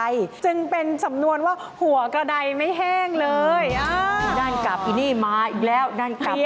เยี่ยมตลอด